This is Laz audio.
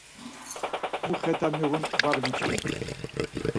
Mu xeta miğun var miçkin.